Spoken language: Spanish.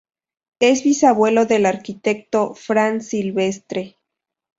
Es bisabuelo del arquitecto Fran Silvestre.